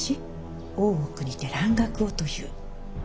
大奥にて蘭学をという。